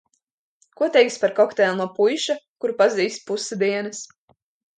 Ko teiksi par kokteili no puiša, kuru pazīsti pusi dienas?